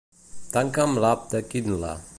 Tanca'm l'app de Kindle.